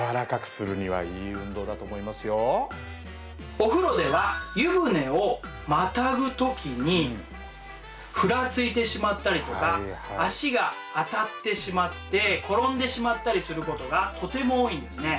お風呂では湯船をまたぐ時にふらついてしまったりとか足が当たってしまって転んでしまったりすることがとても多いんですね。